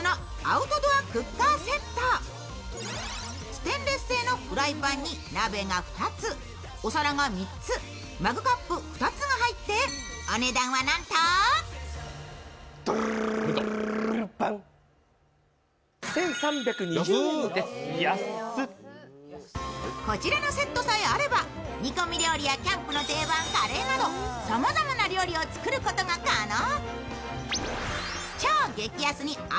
ステンレス製のフライパンに鍋が２つお皿が３つ、マグカップ２つが入ってお値段はなんとこちらのセットさえあれば煮込み料理やキャンプの定番・カレーなどさまざまな料理を作ることが可能。